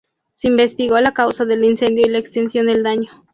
Se investigó la causa del incendio y la extensión del daño.